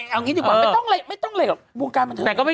เอางี้ดีกว่าไม่ต้องเลยกับวงการมันเธอ